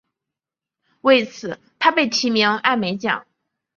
为此他被提名艾美奖。